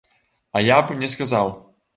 А я б не сказаў.